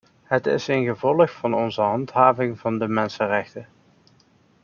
Het is een gevolg van onze handhaving van de mensenrechten.